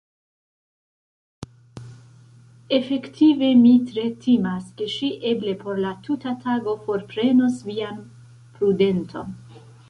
Efektive mi tre timas, ke ŝi eble por la tuta tago forprenos vian prudenton.